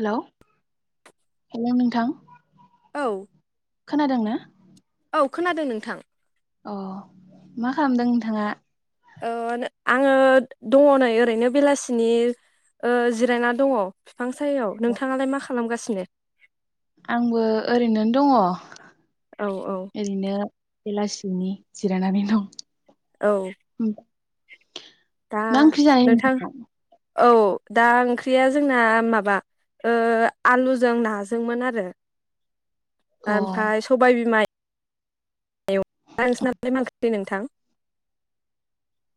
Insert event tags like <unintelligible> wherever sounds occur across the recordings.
Hello hello नोंथां औ खोनादों ना? औ खोनादों नोंथां। अ मा खालामदों नोंथाङा? <unintelligible> आङो दङ नै ओरैनो बेलासिनि ओ जिरायना दङ। फांसायायाव नोंथाङालाय मा खा खालामगासिनो? आंबो ओरैनोन दङ। औ औ ओरैनो बेलासिनि जिरायनानै दं औ दा मा ओंख्रि नोंथां जायो <inaudible> औ दा ओंख्रिया जोंना माबा ओ आलुजों नाजोंमोन आरो अ ओमफाय सबाय बिमाइ <unintelligible> दे नोंथां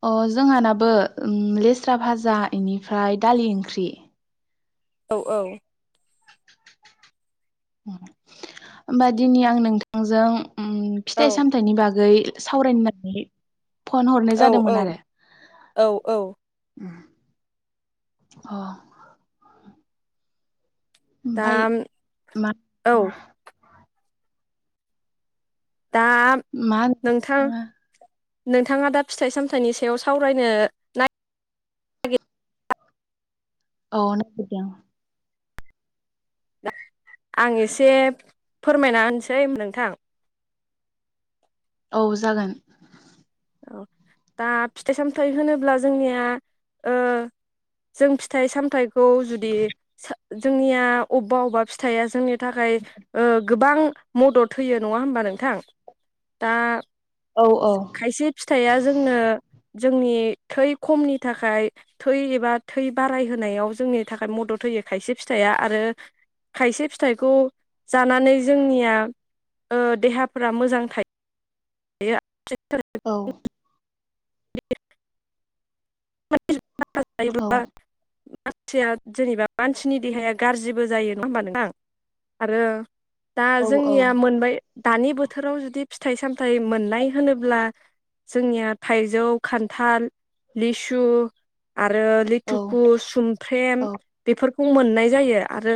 अ जोंहानाबो ओम लेस्रा भाजा, इनिफ्राय दालि ओंख्रि औ औ होमबा दिनै आं नोंथांजों ओम औ फिथाइ-सामथाइनि बागै सावरायनो मोननानै <inaudible> फन हरनाय औ जादोंमोन औ आरो औ औ अ दा ओमफाय मा औ <inaudible> दा मा होनो नोंथां नोंथ नोंथाङा दा फिथाइ-सामथाइनि सायाव सावरायनो नाय औ नागिरदों। आं एसे फोरमायना होनसै नोंथां। औ जागोन। औ दा फिथाइ-सामथायाइ होनोब्ला जोंनिया ओ जों फिथाइ-सामथाइ खौ जुदि सो जोंनिया अबबा अबबा फिथाइया जोंनि थाखाय ओ गोबां मदद होयो नङा होमबा नोंथां? दा औ औ खायसे फिथाइया जोंनो जोंनि थै खमनि थाखाय थै एबा थै बाराय होनायाव जोंनि थाखाय मदद होयो खायसे फिथाइया आरो खायसे फिथाइखौ जानानै जोंनिया ओ देहाफोरा मोजां थायो। बेयो औ। <unintelligible> <unintelligible> मानसिया जेनेबा मानसिनि देहाया गाज्रिबो जायो नङा होमबा नोंथां आरो दा औ औ जोंनिया मोनबाय दानि बो थोराव जुदि फिथाइ-साम नाथाय मोननाय होनोब्ला जोंनिया थाइजौ खान्थाल लिसु। आरो औ लिथुखु सुमफ्रेम औ बेफोर। मोननाय जायो। आरो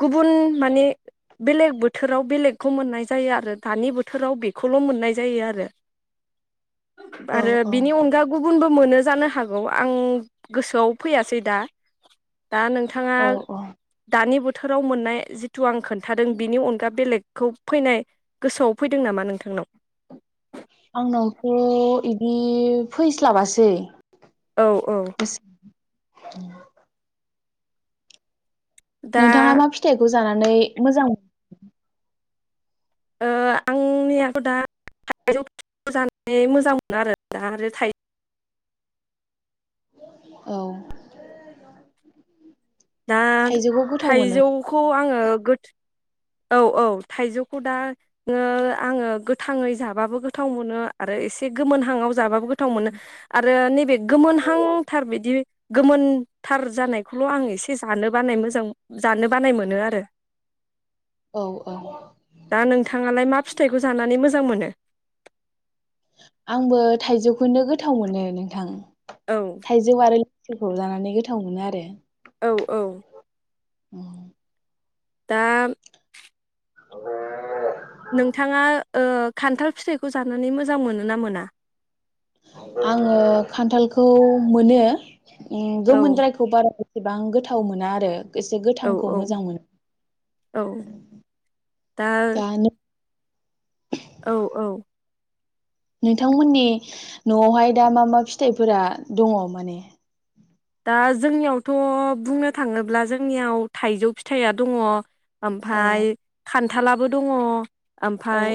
गुबुन। मानि बेलेग बोथोराव बेलेगखौ मोननाय जायो आरो दानि बोथोराव बे। बे खौल' मोननाय जायो आरो। औ आरो बिनि अनगा गुबुनबो। मोनो जानो हागौ आं गोसोआव फैयासै दा दा नोंथाङा औ औ दानि बोथोर बोथोराव मोननाय जिथु आं खोन्थादों बिनि अनगा बेलेगखौ फैनाय गोसोआव फैदों नामा नोंथां। नाव। आंनावथ' बिदि फैस्लाबासै। औ औ। <inaudible> दा नोंथाङा मा फिथायखौ। जानानै मोजां। ओ आंनियाथ' दा थाइजौ जानानै मोजां मोनो आरो दा आरो थाइ औ दा थाइजौखौ गोथाव मोनो थाइजौखौ आङो गोथ औ औ थाइजौखौ दा आङो गोथाङै जाबाबो गोथाव मोनो आरो एसे गोमोनहांआव जाबाबो गोथाव मोनो आरो नैबे गोमोनहांथार बिदि गोमोनथार जानायखौल' आं एसे जानो बानाय मोजां जानो बानाय मोनो आरो। औ औ। थाङालाय मा फिथाइखौ जानानै मोजां मोनो। आंबो थाइजौखौनो गोथाव मोनो नोंथां। औ थाइजौ आरो लेसु। जानानै गोथाव मोनो आरो। औ औ। <inaudible> दा <unintelligible> नोंथाङा ओ खान्थाल फिथाइखौ जानानै मोजां मोनो ना मोना? आङो खान्थालखौ मोनो। उम औ गोमोनद्रायखौ बारा गो एसेबां गोथाव मोना आरो एसे औ गोथांखौ औ मोजां औ मोनो दा नो औ औ नोंथांमोननि न'आवहाय दा मा मा फिथाइफोरा दङ माने? दा जोंनियावथ' बुंनो थाङोब्ला जोंनियाव थाइजौ फिथाइया दङ औ ओमफाय खान थालाबो दङ औ ओमफाय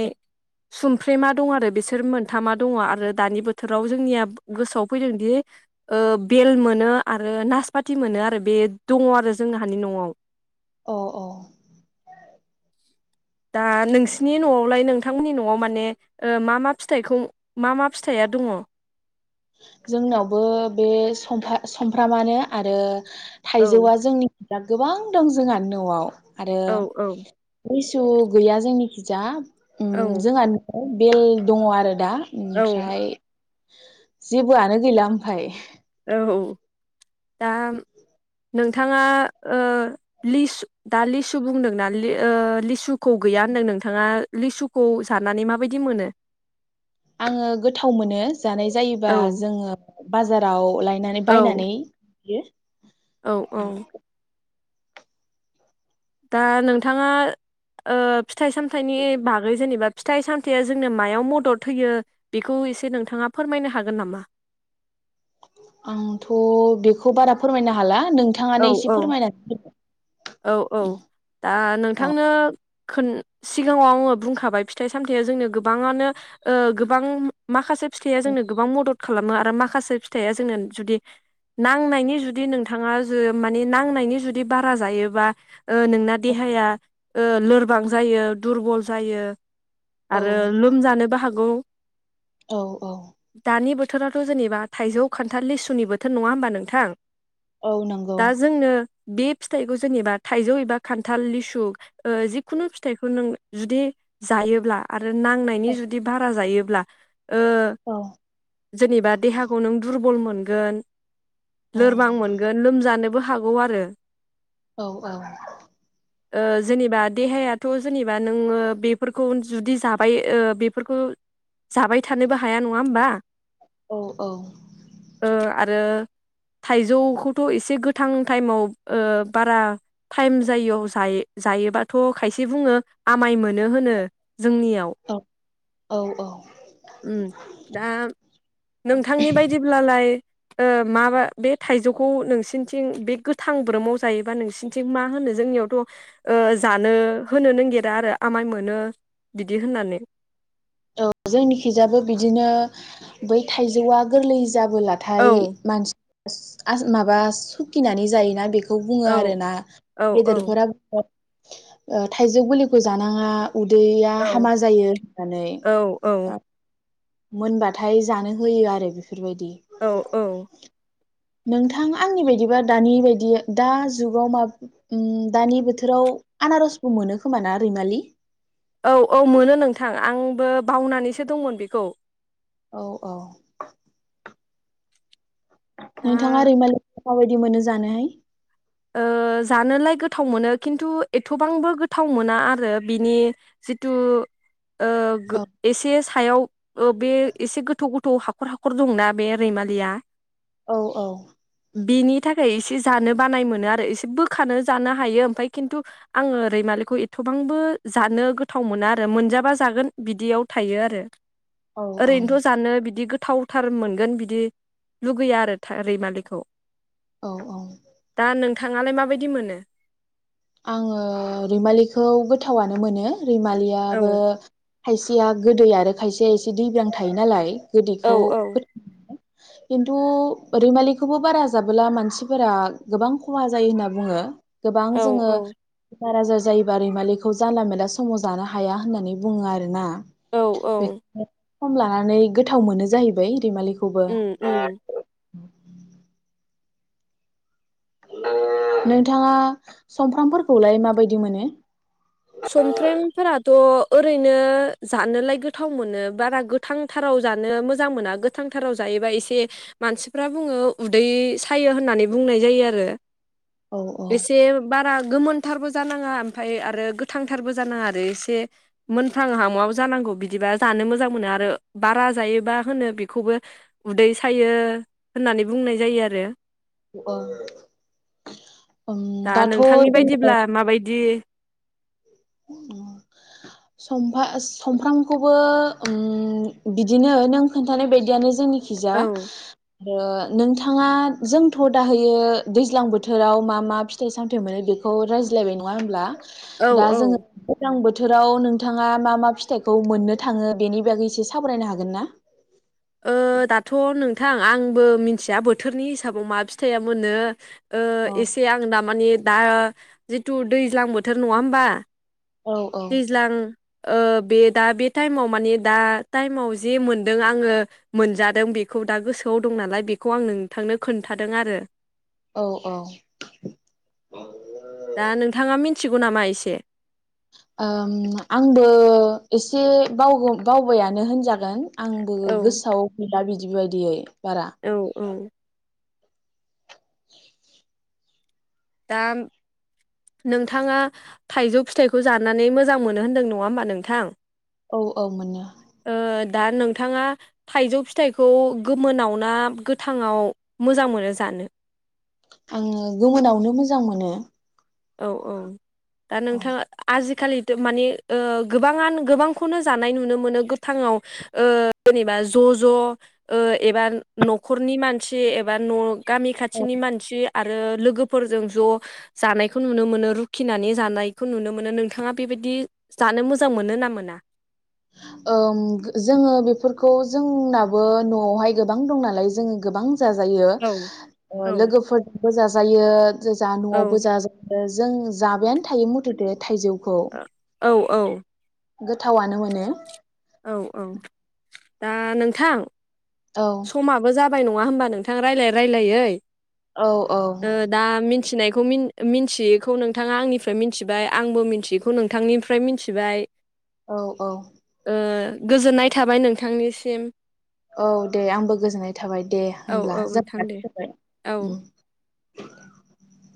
सुमफ्रेमा दं आरो बिसोर मोनथामा दङ आरो दानि बोथोराव जोंनिया गोसोआव फैदोंदि ओ बेल मोनो आरो नासपाति मोनो आरो बे दङ आरो जोंनाहानि न'आव। अ अ दा नोंसिनि न'आवलाय नोंथांमोननि न'आव माने ओ मा मा फिथाइखौ मा मा फिथाइया दङ? जोंनावबो बे समफा समफ्रामानो आरो औ थाइजौआ जोंनि दा गोबां दं जोंहा न'आव आरो औ औ लिसु गैया जोंनिखिजा उम औ जोंहा बेल दङ आरो दा औ ओमफ्राय <inaudible> जेबोआनो गैला ओमफाय औ दा नोंथाङा ओ लिस दा लिसु बुंदोंना ओ लिसु खौ गैया होनदों नोंथाङा लिसुखौ जानानै माबायदि मोनो? आङो गोथाव मोनो जानाय जायोबा औ जोङो बाजाराव लाय नानै औ बायनानै <unintelligible> औ औ दा नोंथाङा ओ फिथाइ सामथाइनि बागै जेनेबा फिथाइ सामथायाइया जोंनो मायाव मदद होयो बेखौ एसे नोंथाङा फोरमायनो हागोन नामा? आंथ बेखौ बारा फोरमायनो हाला औ नोंथाङानो एसे औ फोरमायनानै औ औ दा होदो औ नोंथांनो खोन सिगाङाव आङो बुंखाबाय फिथाइ सामथायाइया जोंनो गोबाङानो ओ गोबां माखासे फिथाइ जोंनो गोबां मदद खालामो आरो माखासे फिथाइआ जोंनो जुदि नांनायनि जुदि नोंथाङा जो माने नांनायनि जुदि बारा जायोबा ओ नोंना देहाया ओ लोरबां जायो दुरबल जायो औ आरो लोमजानोबो हागौ औ औ थोराथ' जेनेबा थाइजौ, खान्थाल, लिसुनि बोथोर नङा होमबा नोंथां? औ नोंगौ। दा जोंनो बे फिथाइखौ जेनेबा थाइजौ एबा खान्थाल लिसु ओ जिखुनु फिथाइखौ नों जुदि जायोब्ला आर रो नांनायनि औ जुदि भारा जायो ब्ला ओ औ जेनेबा देहाखौ नों दुर बल मोनगोन औ लोरबां मोनगोन लोम जानोबो हागौ आरो। औ ओ जेनेबा देहायाथ' जेनेबा नोङो बेफोरखौ जुदि जाबाय ओ बेफोरखौ जाबाय थानोबो हाया नङा होमबा? औ ओ आरो थाइजौखौथ' एस से गोथां टाइमाव ओ बारा टाइम जायियाव जाय जायोबाथ' खायसे बुङो आमाय मोनो होनो। जोंनियाव औ औ उम दा नोंथांनि बायदिब्लालाय ओ माबा बे थाइजौखौ नोंसिनिथिं बे गोथांब्रोमाव जायोबा नोंसिनिथिं मा होनो जोंनियावथ' ओ जानो होनो नागिरा आरो आमाइ मोनो बिदि होननानै। औ जोंनिखिजाबो बिदिनो बै थाइजौआ गोरलै औ जाबोलाथाय मानस आस माबा सुखिनानै जायोना बेख खौ बुङो औ आरोना औ औ गेदेरफोरा ओ थाइजौ बलिखौ जानाङा उदैया औ हामा जायो होननानै। औ औ मोनबाथाय जानो होयो आरो। बेफोरबायदि औ नोंथां आंनि बायदिबा दानि बायदि दा जुगाव उम दानि बोथोराव आनारसबो मोनो खोमा ना रैमालि? ओ बावनानैसो दंमोन बेखौ औ औ दा नोंथाङा रैमालि माबायदि मोनो जानो? ओ जानोलाय गोथाव मोनो खिन्थु एथ'बांबो गोथाव मोना आरो बिनि जिथु ओ औ गो-एसे सायाव बे एसे गोथौ गोथौ हाखर हाखर दंना बे रैमालिया। औ औ। बिनि थाखाय एसे जानो बानाय मो नो आरो। एसे बोखानो जानो हायो। ओमफ्राय खिन्थु आङो ओरैमालिखौ एथ'बांबो जानो गोथाव मोना आरो मोनजाबा जागोन बिदियाव थायो आरो। औ ओरैनोथ' जानो बिदि गो थावथार मोनगोन बिदि लुगैया आरो रैमालिखौ। औ औ। दा नोंथाङालाय माबायदि मोनो? आङो रैमालिखौ गोथावानो मोनो। औ रैमालियाबो खायसेया गोदै आरो खायसेया एसे दैब्रां थायो नालाय। औ गोदैखौ औ खिन्थु रैमालिखौबो बारा जाबोला मानसिफोरा गोबां खहा जायो होनना बुङो। गोबां औ जोङो औ बेमार आजार जायोबा रैमालिखौ जानला मानला समाव जानो हाया होननानै बुङो आरोना। औ औ <inaudible> सम लानानै गोथाव मोनो जाहैबाय रैमालि उम उम। नोंथाङा समफ्रामफोरखौलाय माबायदि मोनो? सुमफ्रेमफोराथ' ओरैनो जानोलाय गोथाव मोनो बारा गोथांथाराव जानो मोजां मोना गोथांथाराव जायोबा एसे मानसिफ्रा बुङो उदै सायो होननानै बुंनाय जायो आरो। औ एसे बारा गोमोनथारबो जानाङा ओमफ्राय आरो गोथांथारबो जानाङा आरो एसे मोनफ्रां हाम'आव जानांगौ बिदिबा जानो मोजां मोनो आरो। बारा जायोबा होनो बेखौबो उदै सायो होननानै बुंनाय जायो आरो। औ उम दा दाथ' नोंथांनि जोङो बायदिब्ला माबायदि समफा-समफ्रामखौबो उम बिदिनो नों खोन्थानाय बायदियानो जोंनि थिजा औ ओ नोंथाङा जोंथ' दाहोयो दैज्लां बोथोराव मा मा फिथाइ सामथायाइ मोनो बेखौ रायज्लायबाय नङा होमब्ला? औ औ। दैजां बोथोराव नोंथाङा मा मा फिथाइखौ मोननो थाङो बेनि बागै एसे सावरायनो हागोन ना? ओ दाथ' नोंथां आंबो मिथिया बोथोरनि हिसाबाव माबा फिथाइया मोनो। ओ औ एसे आं दामानि दा जिथु दैज्लां बोथोर नङा होमबा औ औ। दैज्लां ओ बे दा बे टाइमाव माने दा टाइमाव जे मोनदों आङो मोनजादों बेखौ दा गोसोआव दं नालाय बेखौ आं नोंथांनो खोन्थादों आरो। औ दा नोंथाङा मि मिथिगौ नामा एसे? ओम आंबो एसे बाव बावबायानो होनजागोन। आंबो औ गोसोआव गैला बिद <unintelligible> औ औ <inaudible> दाम नोंथाङा थाइजौ फिथाइखौ जानानै मोजां मोनो होनदों नङा होमबा नोंथां। औ औ मोनो। ओ दा नोंथाङा थाइजौ फिथाइखौ गोमोनाव ना गोथांङाव मोजां मोनो जानो? आङो गोमोनावनो मोजां मोनो। औ औ। दा नोंथाङा आजि खालिथ' माने ओ गोबाङानो गोबांखौनो जानाय नुनो मोनो गोथाङाव ओ जेनेबा ज' ज' ओ एबा न'खरनि मानसि एबा न' गामि औ खाथिनि मानसि आरो लोगोफोरजों ज' जानाय खो नुनो मोनो रुखिनानै जानायखौ नुनो मोनो। नोंथाङा बेबायदि जानो मोजां मोनो ना मोना? ओम जोङो बेफोरखौ जोंनाबो न'आवहाय गोबां दं नालाय जोङो गोबां जाजायो औ ओ औ लोगोफोरजोंबो जाजायो जा औ न'आवबो जाजायो। जों जाबायानो थायो मथ'थे थाइजौ औ औ गोथावानो मोनो। औ औ दा नोंथां औ समाबो जा बाय नङा होमबा नोंथां रायलाय रायलायै। औ औ। थिनायखौ मिन मिनथियैखौ नोंथाङा आंनिफ्राय मिनथिबाय। आंबो मिनथियैखौ नोंथांनिफ्राय मिनथिबाय। औ औ ओ गोजोननाय थाबाय नोंथांनिसिम। औ दे आंबो गोजोननाय थाबाय दे औ होमब्ला औ जों नोंथां दे <unintelligible> थाबाय औ उम। <inaudible>